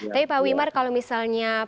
tapi pak wimar kalau misalnya